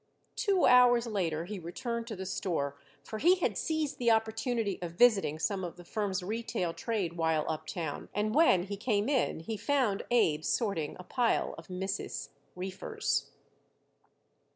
Two hours later he returned to the store, for he had seized the opportunity of visiting some of the firm's retail trade while uptown, and when he came in he found Abe sorting a pile of misses' reefers.